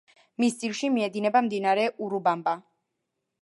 მის ძირში მიედინება მდინარე ურუბამბა.